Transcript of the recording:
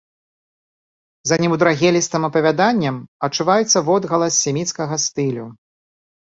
За немудрагелістым апавяданнем адчуваецца водгалас семіцкага стылю.